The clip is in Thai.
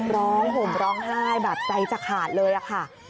ร้องห่มร้องไห้แบบใสจักหาดเลยค่ะ